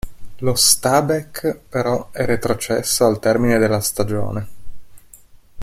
Lo Stabæk, però, è retrocesso al termine della stagione.